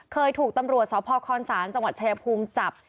เคยถูกตำรวจสพคศจังหวัดชายภูมิจับ